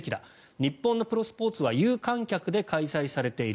日本のプロスポーツは有観客で開催されている。